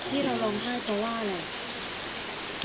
ที่เราร้องไห้เพราะว่าอะไร